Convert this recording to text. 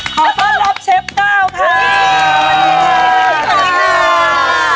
ขอต้อนรับเชฟก้าวค่ะ